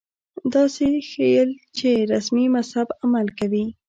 داسې ښييل چې رسمي مذهب عمل کوي